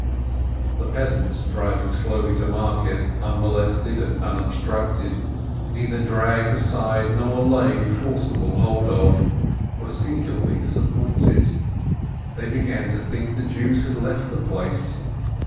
The peasants driving slowly to market, unmolested and unobstructed, neither dragged aside nor laid forcible hold of, were singularly disappointed. They began to think the Jews had left the place.